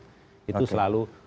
ke pesawat itu selalu